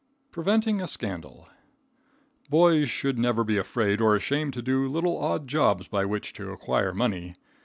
Preventing a Scandal. Boys should never be afraid or ashamed to do little odd jobs by which to acquire money.